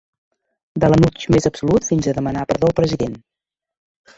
De l’enuig més absolut fins a demanar perdó al president.